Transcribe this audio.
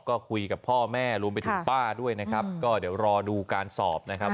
ก็คุยกับพ่อแม่รวมไปถึงป้าด้วยนะครับก็เดี๋ยวรอดูการสอบนะครับ